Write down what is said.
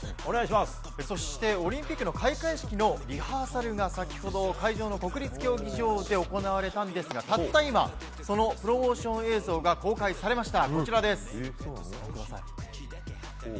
そしてオリンピックの開会式のリハーサルが先ほど会場の国立競技場で行われたんですがたった今、プロモーション映像が公開されました。